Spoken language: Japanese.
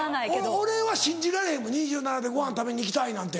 俺は信じられへんもん２７歳で「ごはん食べに行きたい」なんて。